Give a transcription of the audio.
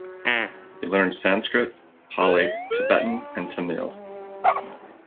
He learned Sanskrit, Pali, Tibetan and Tamil.